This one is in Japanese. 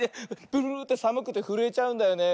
ブルブルってさむくてふるえちゃうんだよね。